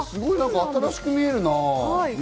新しく見えるな。